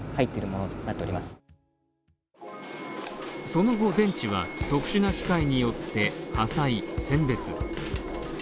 その後電池は特殊な機械によって破砕、選別。